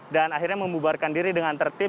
dan akhirnya membubarkan diri dengan tertib